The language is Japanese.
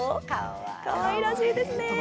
かわいらしいですよね。